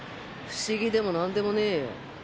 不思議でもなんでもねぇよ。